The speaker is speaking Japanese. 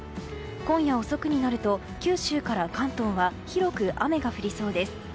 今夜遅くなると九州から関東は広く雨が降りそうです。